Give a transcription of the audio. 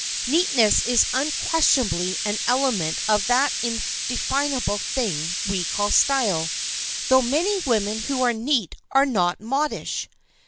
Neatness is unquestionably an element of that indefinable thing we call style, though many women who are neat are not modish.